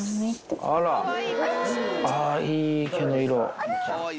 あら、いい毛の色。